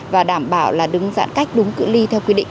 và đảm bảo là đứng giãn cách đúng cự ly theo quy định